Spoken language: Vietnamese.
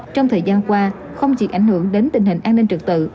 trong thời gian qua không chỉ ảnh hưởng đến tình hình an ninh trực tự